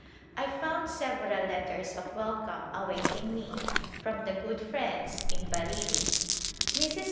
I found several letters of welcome await ing me from the good friends in Bareilly. Mrs.